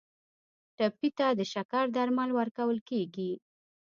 ټپي ته د شکر درمل ورکول کیږي.